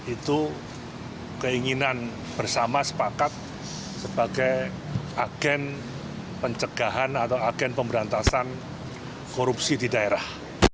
itu keinginan bersama sepakat sebagai agen pencegahan atau agen pemberantasan korupsi di daerah